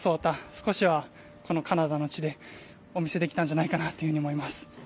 少しはこのカナダの地でお見せできたんじゃないかと思います。